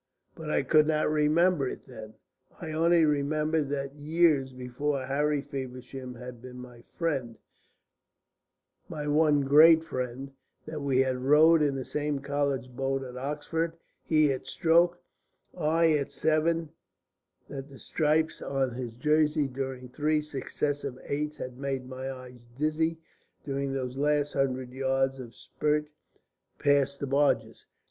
But I could not remember it then. I only remembered that years before Harry Feversham had been my friend, my one great friend; that we had rowed in the same college boat at Oxford, he at stroke, I at seven; that the stripes on his jersey during three successive eights had made my eyes dizzy during those last hundred yards of spurt past the barges.